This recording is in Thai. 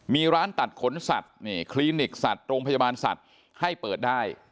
มีร้านตัดขนสัตว์คลินิกสัตว์โรงพยาบาลสัตว์ให้เปิดได้